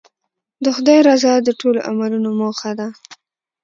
د خدای رضا د ټولو عملونو موخه ده.